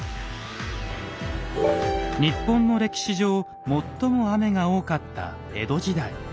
日本の歴史上最も雨が多かった江戸時代。